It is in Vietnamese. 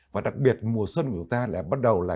và đặc biệt mùa xuân của chúng ta